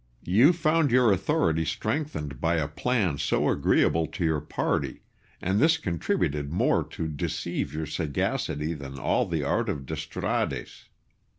William. You found your authority strengthened by a plan so agreeable to your party, and this contributed more to deceive your sagacity than all the art of D'Estrades.